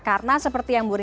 karena seperti yang bu rini